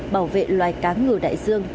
bảo vệ loài cá ngựa đại dương